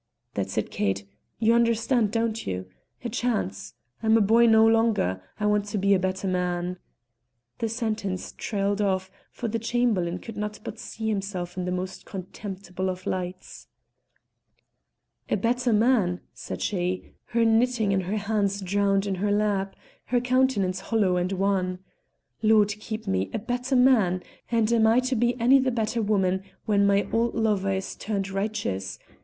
"That's it, Kate; you understand, don't you? A chance. I'm a boy no longer. I want to be a better man " The sentence trailed off, for the Chamberlain could not but see himself in the most contemptible of lights. "A better man!" said she, her knitting and her hands drowned in her lap, her countenance hollow and wan. "Lord keep me, a better man! And am I to be any the better woman when my old lover is turned righteous?